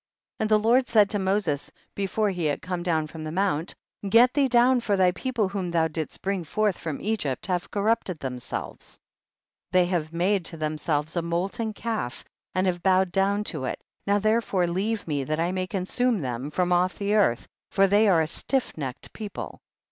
15. And the Lord said to Moses, before he had come down from the mount, get thee down for thy people whom thou didst bring forth from Egypt have corrupted themselves. 16. They have made to themselves a molten calf, and have bowed down to it, now therefore leave me, that I may consume them from off the earth, for they are a stiffnecked people.